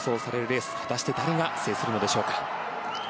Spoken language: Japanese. レース果たして誰が制するのでしょうか。